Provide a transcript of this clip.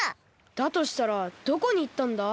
だとしたらどこにいったんだ？